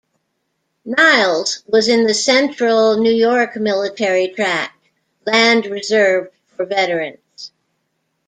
Niles was in the Central New York Military Tract, land reserved for veterans.